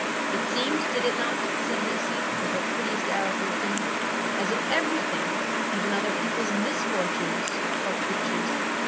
It seemed, did it not? said Lucy, with her prettiest air of wisdom, as if everything, even other people's misfortunes (poor creatures!)